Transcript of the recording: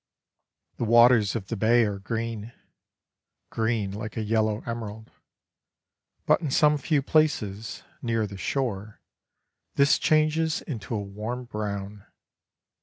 The waters of the bay are green green like a yellow emerald but in some few places, near the shore, this changes into a warm brown.